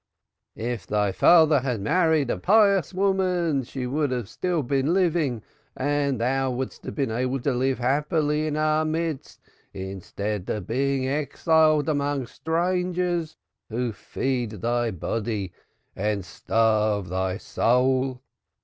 Woe! If thy father had married a pious woman, she would have been living still and thou wouldst have been able to live happily in our midst instead of being exiled among strangers, who feed thy body and starve thy soul.